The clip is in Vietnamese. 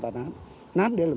theo một lối duy nhất